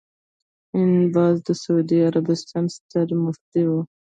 ابن باز د سعودي عربستان ستر مفتي وو